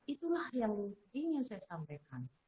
itulah yang ingin saya sampaikan